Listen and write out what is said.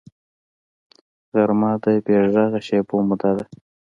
غرمه د بېغږه شېبو موده ده